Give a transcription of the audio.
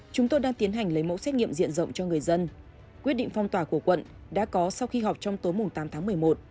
chúng tôi đang tiến hành lấy mẫu xét nghiệm diện rộng cho người dân quyết định phong tỏa của quận đã có sau khi họp trong tối tám tháng một mươi một